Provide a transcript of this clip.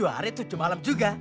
dua hari tujuh malam juga